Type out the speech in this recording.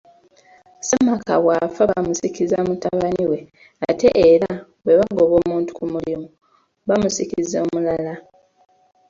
Ssemaka bw'afa bamusikiza mutabani we ate era bwe bagoba omuntu ku mulimu bamusikiza omulala